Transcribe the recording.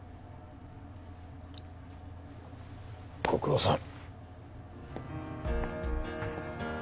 ご苦労さん。